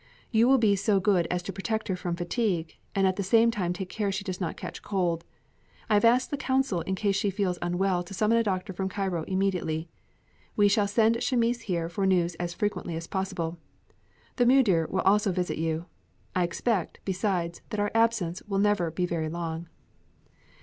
You will be so good as to protect her from fatigue and at the same time take care she does not catch cold. I have asked the consul in case she feels unwell to summon a doctor from Cairo immediately. We shall send Chamis here for news as frequently as possible. The Mudir will also visit you. I expect, besides, that our absence will never be very long."